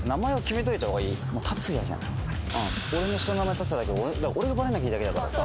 俺の下の名前辰哉だけど俺がバレなきゃいいだけだからさ